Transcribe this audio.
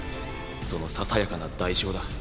そのささやかな代償だ。